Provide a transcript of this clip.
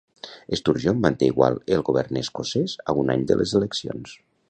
Sturgeon manté igual el govern escocès a un any de les eleccions.